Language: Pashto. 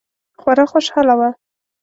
خورا خوشحاله وه.